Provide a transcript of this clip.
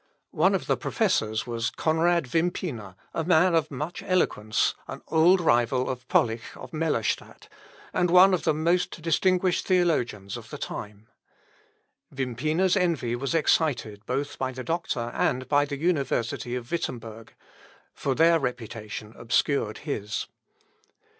One of the professors was Conrad Wimpina, a man of much eloquence, an old rival of Pollich of Mellerstadt, and one of the most distinguished theologians of the time. Wimpina's envy was excited both by the doctor and by the university of Wittemberg; for their reputation obscured his.